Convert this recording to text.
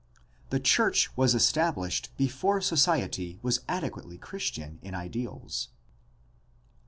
The church was established before society was adequately Chris tian in ideals.